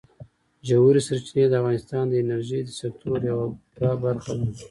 ژورې سرچینې د افغانستان د انرژۍ د سکتور یوه پوره برخه ده.